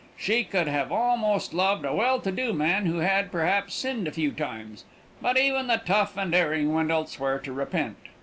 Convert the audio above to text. She could have almost loved a well to do man who had, perhaps, sinned a few times, but even the tough and erring went elsewhere to repent.